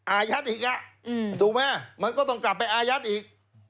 อายัดอีกถูกไหมมันก็ต้องกลับไปอายัดอีก